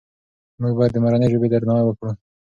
موږ باید د مورنۍ ژبې درناوی وکړو.